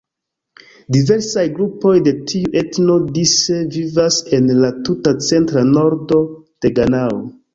Diversaj grupoj de tiu etno dise vivas en la tuta centra nordo de Ganao.